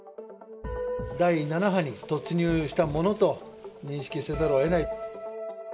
第７波に突入したものと認識せざるをえない。